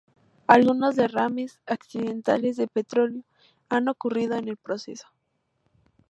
Algunos derrames accidentales de petróleo han ocurrido en el proceso.